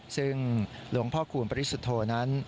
ซึ่งหลวงพ่อคูณปริสุทธโธนั้น